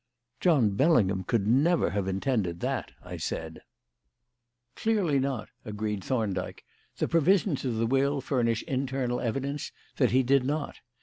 "John Bellingham could never have intended that," I said. "Clearly not," agreed Thorndyke; "the provisions of the will furnish internal evidence that he did not.